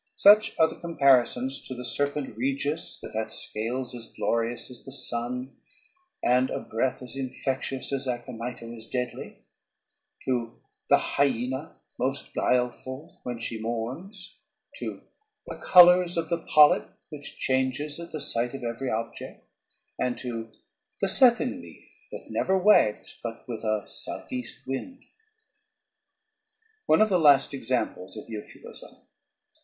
Such are the comparisons to "the serpent Regius that hath scales as glorious as the sun and a breath as infectious as aconitum is deadly," to "the hyena, most guileful when she mourns," to "the colors of a polype which changes at the sight of every object," and to "the Sethin leaf that never wags but with a southeast wind." _One of the Last Examples of Euphuism.